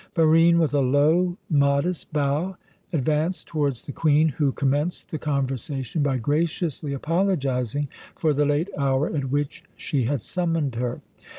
Barine, with a low, modest bow, advanced towards the Queen, who commenced the conversation by graciously apologizing for the late hour at which she had summoned her.